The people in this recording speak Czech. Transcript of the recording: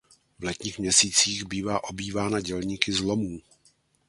V letních měsících bývala obývána dělníky z lomů.